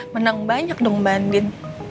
menang banyak dong mbak andin